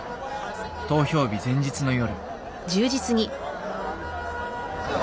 投票日前日の夜。